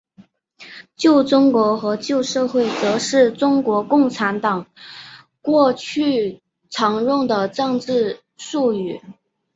旧中国和旧社会则是中国共产党过去常用的政治术语。